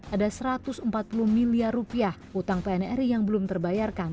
ada satu ratus empat puluh miliar rupiah utang pnri yang belum terbayarkan